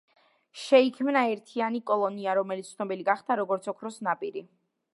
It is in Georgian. შეიქმნა ერთიანი კოლონია, რომელიც ცნობილი გახდა, როგორც ოქროს ნაპირი.